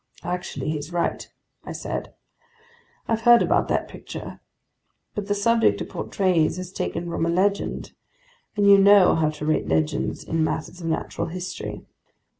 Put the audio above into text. "Actually he's right," I said. "I've heard about that picture. But the subject it portrays is taken from a legend, and you know how to rate legends in matters of natural history!